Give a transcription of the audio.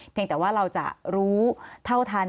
แต่ว่าเราจะรู้เท่าทัน